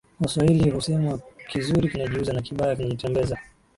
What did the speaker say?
Waswahili husema kizuri kinajiuza na kibaya kinajitembeza